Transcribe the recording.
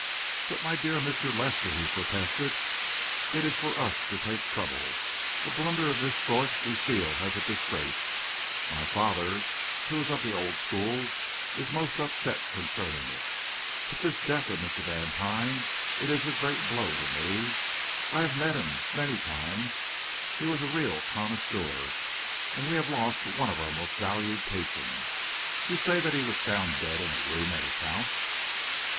"But, my dear Mr. Lester," he protested, "it is for us to take trouble. A blunder of this sort we feel as a disgrace. My father, who is of the old school, is most upset concerning it. But this death of Mr. Vantine it is a great blow to me. I have met him many times. He was a real connoisseur we have lost one of our most valued patrons. You say that he was found dead in a room at his house?"